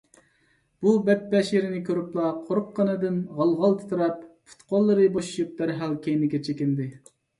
بۇ بەتبەشىرىنى كۆرۈپلا قورققىنىدىن غال - غال تىترەپ، پۇت - قوللىرى بوشىشىپ دەرھال كەينىگە چېكىندى.